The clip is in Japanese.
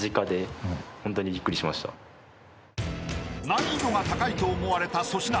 ［難易度が高いと思われた粗品］